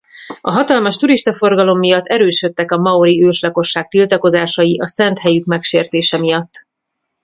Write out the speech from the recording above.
A hatalmas turistaforgalom miatt erősödtek a maori őslakosság tiltakozásai a szent helyük megsértése miatt.